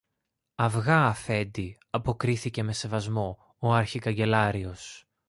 Αυγά, Αφέντη, αποκρίθηκε με σεβασμό ο αρχικαγκελάριος.